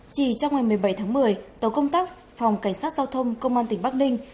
chỉ trong ngày một mươi bảy tháng một mươi tổ công tác phòng cảnh sát giao thông công an tỉnh bắc ninh